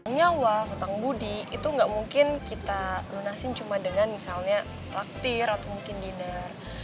tentang nyawa tentang budi itu gak mungkin kita lunasin cuma dengan misalnya traktir atau mungkin diner